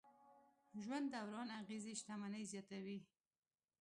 ژوند دوران اغېزې شتمني زیاتوي.